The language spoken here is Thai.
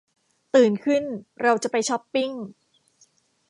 ตื่นขึ้นเราจะไปช็อปปิ้ง